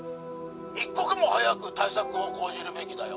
一刻も早く対策を講じるべきだよ